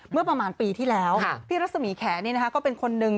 เมื่อประมาณปีที่แล้วพี่รัศมีแขนก็เป็นคนนึง